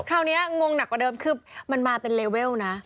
คราวนี้งงหนักกว่าเดิมคือมันมาเป็นเลเวลนะ